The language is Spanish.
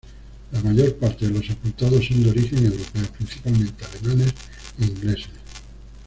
La mayor parte de los sepultados son de origen europeo, principalmente alemanes e ingleses.